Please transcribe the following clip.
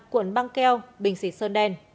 cuộn băng keo bình xịt sơn đen